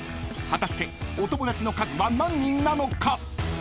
果たしてお友だちの数は何人なのか？］